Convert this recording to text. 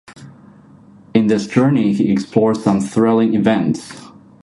In this journey he explores some thrilling events.